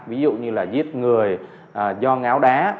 ví dụ như là giết người do ngáo đá